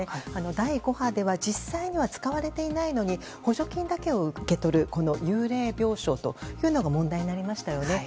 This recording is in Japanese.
第５波では実際には使われていないのに補助金だけを受け取る幽霊病床というのが問題になりましたよね。